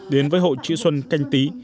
đến với hội chữ xuân canh tý